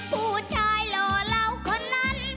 ผู้ชายหล่อเหล่าคนนั้น